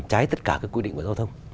trái tất cả các quy định về giao thông